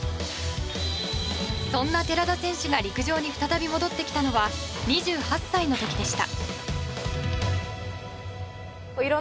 そんな寺田選手が陸上に再び戻ってきたのは２８歳の時でした。